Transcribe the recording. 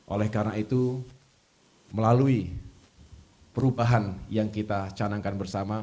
oleh karena itu melalui perubahan yang kita canangkan bersama